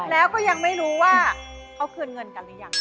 แล้วก็ยังไม่รู้ว่าเค้าเคลื่อนเงินกันรึยัง